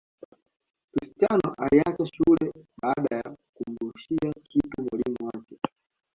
Cristiano aliacha shule baada ya kumrushia kitu mwalimu wake